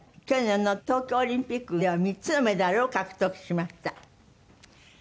去年の東京オリンピックでは３つのメダルを獲得しました。